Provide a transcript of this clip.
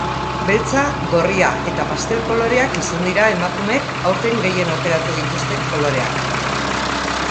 Beltza, gorria eta pastel-koloreak izan dira emakumeek aurten gehien aukeratu dituzten koloreak.